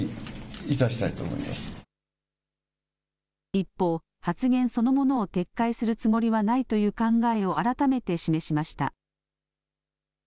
一方、発言そのものを撤回するつもりはないという考えを改めて示しました。